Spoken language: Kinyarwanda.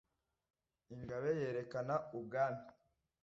ingabe yerekana u bwami,